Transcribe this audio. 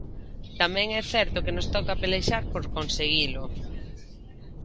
Tamén é certo que nos toca pelexar por conseguilo.